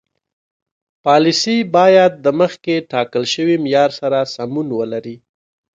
پالیسي باید د مخکې ټاکل شوي معیار سره سمون ولري.